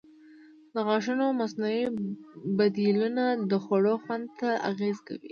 د غاښونو مصنوعي بدیلونه د خوړو خوند ته اغېز کوي.